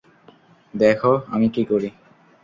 দেখ, আমি কী করি।